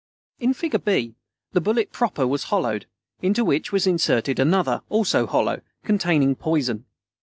In figure B the bullet proper was hollowed, into which was inserted another, also hollow, containing poison.